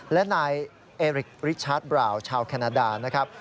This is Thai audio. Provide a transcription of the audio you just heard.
และนายเอริกริชาร์ดบราวชาวแคนาดานะครับ